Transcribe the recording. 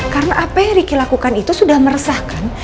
karena apa yang ricky lakukan itu sudah meresahkan